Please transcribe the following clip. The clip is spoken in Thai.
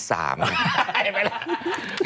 ไปแล้ว